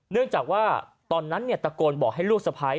เนื่องจากว่าตอนนั้นตะโกนบอกให้ลูกสะพ้าย